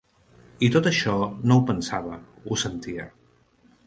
I tot això no ho pensava, ho sentia